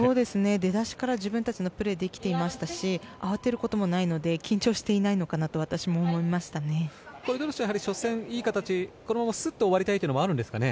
出だしから自分たちのプレーができていましたし慌てることもないので緊張していないのかなとやはり初戦、いい形ですっと終わりたいというのもあるんですかね。